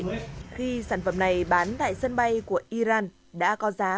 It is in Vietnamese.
tại vì khi sản phẩm này bán tại sân bay của iran đã có giá một mươi năm